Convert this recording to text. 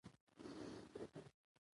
اوړي د افغانستان طبعي ثروت دی.